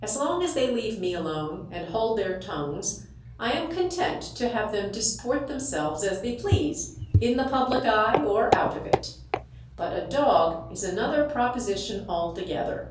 As long as they leave me alone, and hold their tongues, I am content to have them disport themselves as they please, in the public eye or out of it. But a dog is another proposition altogether.